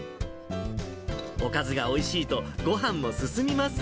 おかずがおいしいと、ごはんも進みます。